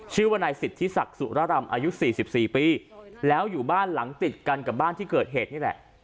ชื่อว่านายสิทธิศักดิ์สุรรำอายุ๔๔ปีแล้วอยู่บ้านหลังติดกันกับบ้านที่เกิดเหตุนี่แหละ